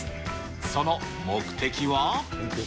その目的は？